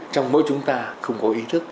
trong mỗi chúng ta không có ý thức